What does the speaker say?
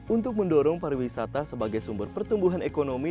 untuk mendorong pariwisata sebagai sumber pertumbuhan ekonomi